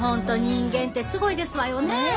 人間ってすごいですわよねえ。